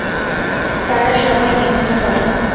তারা সবাই নিহত হয়।